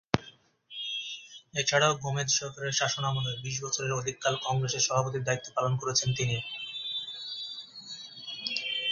এছাড়াও গোমেজ সরকারের শাসনামলে বিশ বছরের অধিককাল কংগ্রেসের সভাপতির দায়িত্ব পালন করেছেন তিনি।